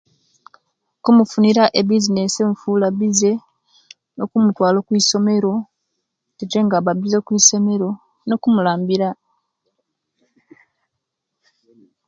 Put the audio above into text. Kufunira ebizinesi efuula bize no'kumutwala omwisomero tete nga aba bize okwisomero no'kumulambira.